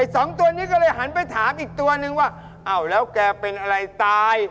สองตัวนี้ก็เลยหันไปถามอีกตัวนึงว่าอ้าวแล้วแกเป็นอะไรตาย